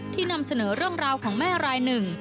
นำเสนอเรื่องราวของแม่รายหนึ่ง